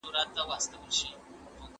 د ټولنې د پرمختګ لپاره نوي فکرونه وړاندې کړئ.